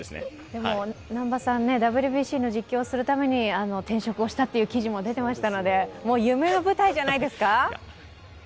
でもＷＢＣの実況をするために転職をしたという記事も出てましたのでもう夢の舞台じゃないですか？